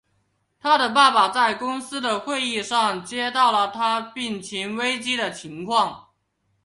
他的爸爸在公司的会议上接到了他病情危机的情况。